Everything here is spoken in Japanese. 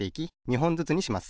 ほんずつにします。